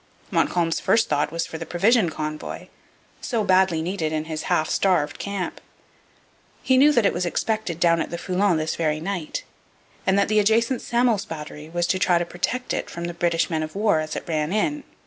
Montcalm's first thought was for the provision convoy, so badly needed in his half starved camp. He knew it was expected down at the Foulon 'this very night, and that the adjacent Samos battery was to try to protect it from the British men of war as it ran in.